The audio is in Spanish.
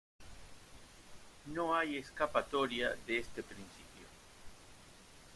No hay escapatoria de este principio.